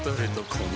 この